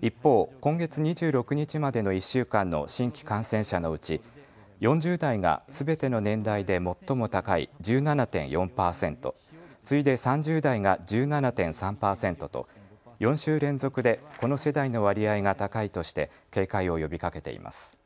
一方、今月２６日までの１週間の新規感染者のうち４０代がすべての年代で最も高い１７．４％、次いで３０代が１７．３％と４週連続でこの世代の割合が高いとして警戒を呼びかけています。